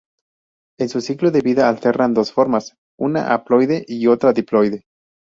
En su ciclo de vida alternan dos formas, una haploide y otra diploide.